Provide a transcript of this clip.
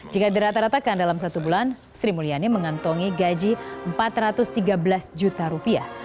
jika dirata ratakan dalam satu bulan sri mulyani mengantongi gaji empat ratus tiga belas juta rupiah